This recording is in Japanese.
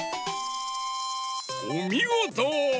おみごと！